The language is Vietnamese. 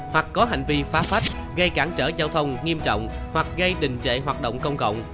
hoặc có hành vi phách gây cản trở giao thông nghiêm trọng hoặc gây đình trệ hoạt động công cộng